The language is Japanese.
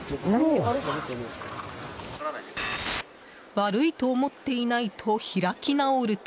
悪いと思っていないと開き直ると。